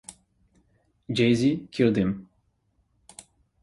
Jay-Z killed him!